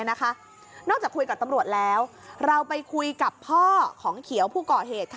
นอกจากคุยกับตำรวจแล้วเราไปคุยกับพ่อของเขียวผู้ก่อเหตุ